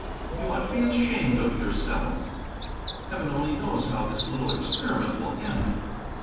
"You ought to be ashamed of yourselves. Heaven only knows how this little experiment will end.